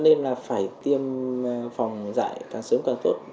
nên là phải tiêm phòng dạy càng sớm càng tốt